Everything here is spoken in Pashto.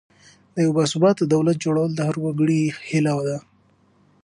د یو باثباته دولت جوړول د هر وګړي هیله ده.